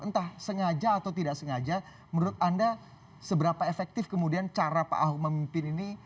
entah sengaja atau tidak sengaja menurut anda seberapa efektif kemudian cara pak ahok memimpin ini